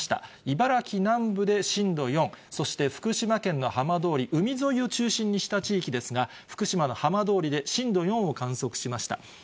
茨城南部で震度４、そして福島県の浜通り、海沿いを中心とした地域ですが、福島の浜通りで震度４を観測しました。